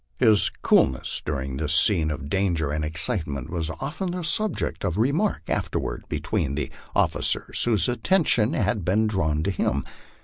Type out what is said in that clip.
His coolness during this scene of danger and excitement was often the subject of remark afterward between the officers whose attention had been drawn to him.